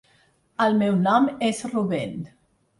El meu nom és Rubén.